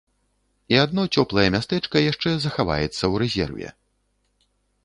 І адно цёплае мястэчка яшчэ захаваецца ў рэзерве.